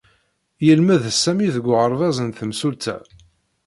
Yelmed Sami deg uɣerbaz n temsulta